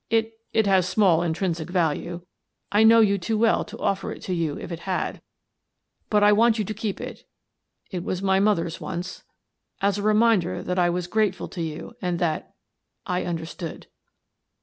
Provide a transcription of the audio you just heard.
It — it has small intrinsic value r 1 know you too well to offer it to you if it had — but I want you to keep it — it was my mother's once — as a reminder that I was grateful to you and that — I understood."